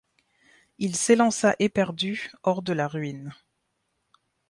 Il s’élança éperdu hors de la ruine.